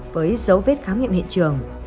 với dấu vết khám nghiệm hiện trường